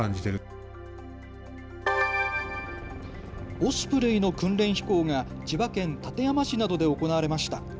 オスプレイの訓練飛行が千葉県館山市などで行われました。